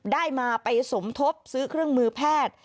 ได้มาไปสมทบซื้อเครื่องมือแพทย์